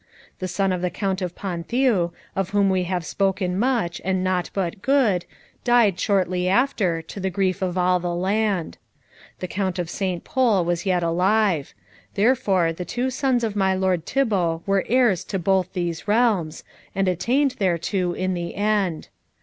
The son of the Count of Ponthieu, of whom we have spoken much and naught but good, died shortly after, to the grief of all the land. The Count of St. Pol was yet alive; therefore the two sons of my lord Thibault were heirs to both these realms, and attained thereto in the end.